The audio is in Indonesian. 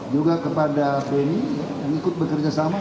juga kepada beni yang ikut bekerja sama